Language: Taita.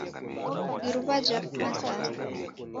Iruw'a jafuma sasa.